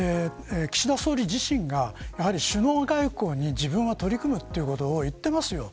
岸田総理自身が首脳外交に自分は取り組むということを言っていますよ。